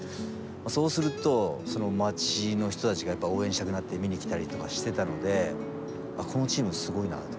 そうするとその町の人たちが応援したくなって見に来たりとかしてたのでこのチームすごいなと。